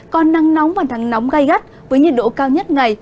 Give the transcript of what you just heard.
có nắng nóng và nắng nóng gai gắt với nhiệt độ cao nhất ngày